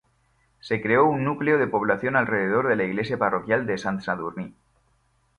Se creó un núcleo de población alrededor de la iglesia parroquial de Sant Sadurní.